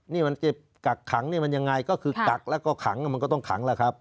นี่มันเก็บกักขังนี่มันยังไงก็คือกักแล้วก็ขังมันก็ต้องขังล่ะครับ